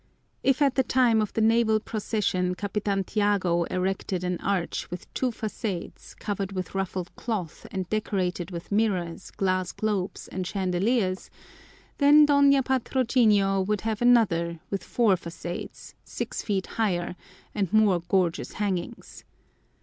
If at the time of the Naval procession Capitan Tiago erected an arch with two façades, covered with ruffled cloth and decorated with mirrors, glass globes, and chandeliers, then Doña Patrocinio would have another with four facades, six feet higher, and more gorgeous hangings.